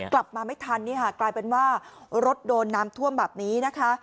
กลับมาไม่ทันกลายเป็นว่ารถโดนน้ำท่วมแบบนี้นะคะ